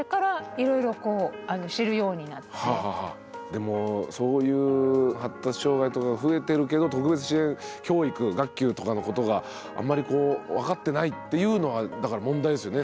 でもそういう発達障害とか増えてるけど特別支援教育・学級とかのことがあんまりこう分かってないっていうのはだから問題ですよね。